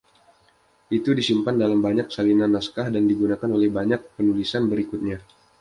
Itu disimpan dalam banyak salinan naskah dan digunakan oleh banyak penulisan berikutnya.